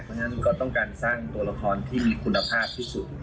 เพราะฉะนั้นก็ต้องการสร้างตัวละครที่มีคุณภาพที่สุด